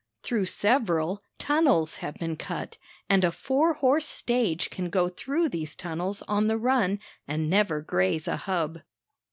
Through several tunnels have been cut and a four horse stage can go through these tunnels on the run and never graze a hub.